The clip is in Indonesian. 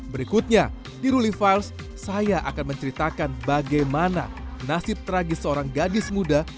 berikutnya di ruli first saya akan menceritakan bagaimana nasib tragis seorang gadis muda